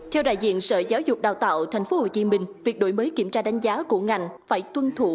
theo đại diện sở giáo dục đào tạo tp hcm việc đổi mới kiểm tra đánh giá của ngành phải tuân thủ